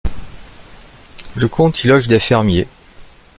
Le comte y loge des fermiers.